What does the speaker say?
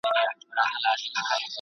د زیږون پرمهال کومي ستونزي رامنځته کیږي؟